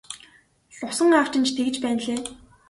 Лувсан аав чинь ч тэгж байна билээ.